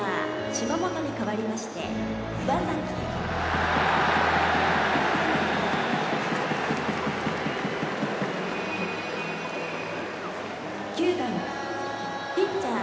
島本に代わりまして岩崎９番ピッチャー